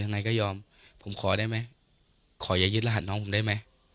นายก็ยอมผมขอได้ไหมขออย่ายึดรหัสน้องผมได้ไหม